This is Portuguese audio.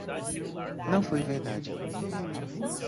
Não foi verdade.